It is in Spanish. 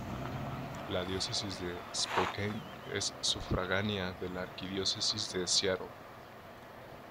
La Diócesis de Spokane es sufragánea de la Arquidiócesis de Seattle.